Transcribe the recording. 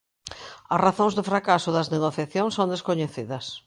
As razóns do fracaso das negociacións son descoñecidas.